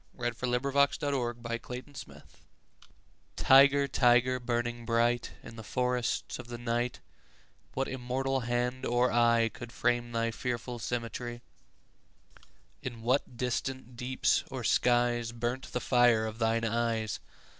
1757–1827 489. The Tiger TIGER, tiger, burning bright In the forests of the night, What immortal hand or eye Could frame thy fearful symmetry? In what distant deeps or skies 5 Burnt the fire of thine eyes?